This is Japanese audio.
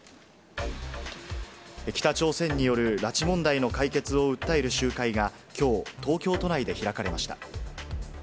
北朝鮮による拉致問題の解決を訴える集会が、きょう、東京都内で開かれました。